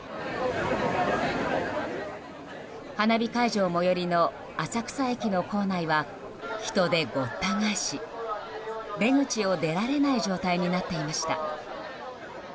花火会場最寄りの浅草駅の構内は人でごった返し出口を出られない状態になっていました。